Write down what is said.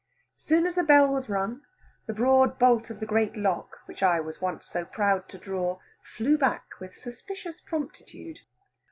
Soon as the bell was rung the broad bolt of the great lock, which I was once so proud to draw, flew back with suspicious promptitude.